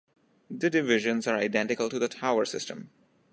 The divisions are identical to the tower system.